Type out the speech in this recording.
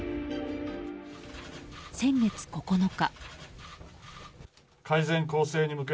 先月９日。